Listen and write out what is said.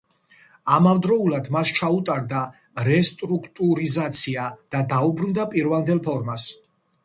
ამავდროულად, მას ჩაუტარდა რესტრუქტურიზაცია და დაუბრუნდა პირვანდელ ფორმას.